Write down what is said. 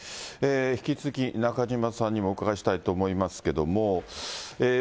引き続き、中島さんにもお伺いしたいと思いますけども。